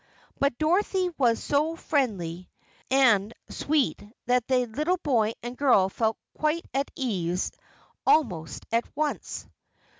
But Dorothy was so friendly and sweet that the little boy and girl felt quite at ease almost at once.